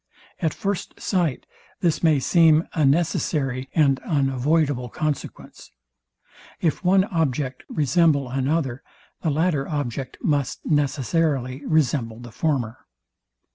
At first sight this may seem a necessary and unavoidable consequence. If one object resemble another, the latter object must necessarily resemble the former.